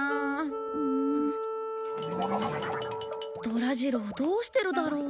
ドラ次郎どうしてるだろう。